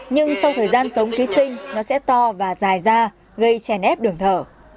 nhưng sau thời gian sống ký sinh nó sẽ to và dài ra gây chè nét đường thở